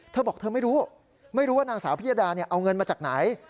เธอบอกเธอไม่รู้ไม่รู้ว่านางสาวพิยดาเอาเงินมาจากไหน